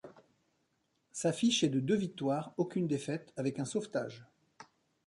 Sa fiche est de deux victoires, aucune défaite, avec un sauvetage.